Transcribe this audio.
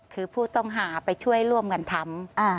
คือผู้ต้องหาไปช่วยร่วมกันทำ